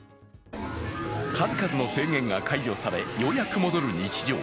数々の制限が解除され、ようやく戻る日常。